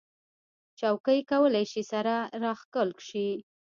چوکۍ کولی شي سره راښکل شي.